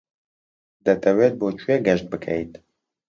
دەتەوێت بۆ کوێ گەشت بکەیت؟